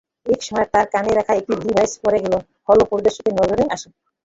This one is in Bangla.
একসময় তাঁর কানে রাখা একটি ডিভাইস পড়ে গেলে হল পরিদর্শকের নজরে আসে।